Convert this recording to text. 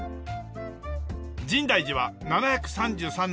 深大寺は７３３年創建。